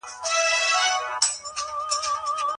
د هېواد دیپلوماتیک ماموریتونه په سمه توګه نه اداره کېږي.